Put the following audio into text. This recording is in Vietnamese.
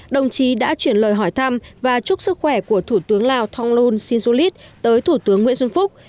đồng chí đã chuyển lời hỏi thăm và chúc sức khỏe của thủ tướng lào thong lung xin du lít tới thủ tướng nguyễn xuân phúc